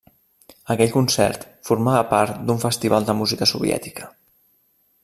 Aquell concert formava part d’un festival de música soviètica.